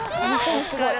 お疲れ。